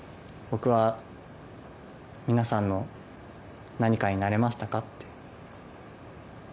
僕は皆さんの何かになれましたかって。